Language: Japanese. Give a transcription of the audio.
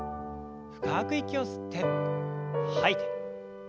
深く息を吸って吐いて。